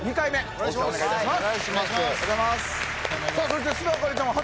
よろしくお願いします。